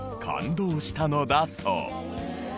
感動したのだそう。